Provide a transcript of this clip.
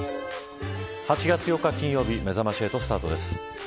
８月４日金曜日めざまし８スタートです。